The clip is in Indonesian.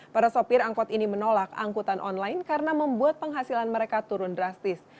para sopir angkot ini menolak angkutan online karena membuat penghasilan mereka turun drastis